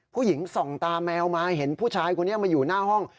ผู้หญิงส่องตาแมวมาเห็นผู้ชายคนนี้มาอยู่หน้าห้อง